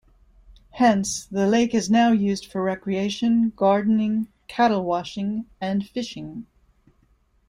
Hence, the lake is now used for recreation, gardening, cattle washing and fishing.